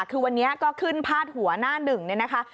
คือวันนี้ก็ขึ้นพาดหัวหน้าหนึ่งเนี่ยนะคะ